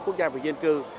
quốc gia và dân cư